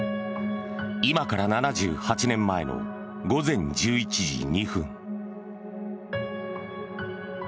今から７８年前の午前１１時２分。